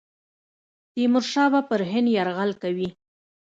تیمورشاه به پر هند یرغل کوي.